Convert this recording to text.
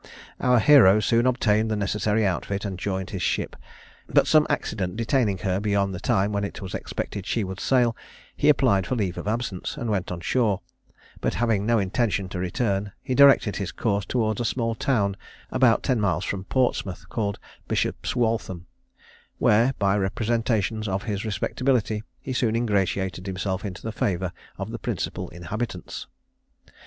Our hero soon obtained the necessary outfit, and joined his ship; but some accident detaining her beyond the time when it was expected she would sail, he applied for leave of absence, and went on shore; but having no intention to return, he directed his course towards a small town about ten miles from Portsmouth, called Bishop's Waltham, where, by representations of his respectability, he soon ingratiated himself into the favour of the principal inhabitants.